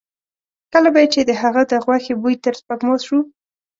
کله به یې چې د هغه د غوښې بوی تر سپېږمو شو.